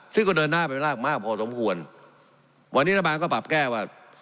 ซึ่งก็เดินหน้าไปมากพอสมควรวันนี้รัฐบาลก็ปรับแก้ว่า